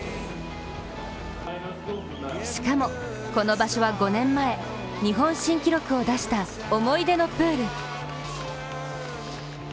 しかも、この場所は５年前、日本新記録を出した思い出のプール。